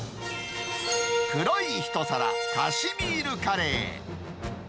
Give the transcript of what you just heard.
黒い一皿、カシミールカレー。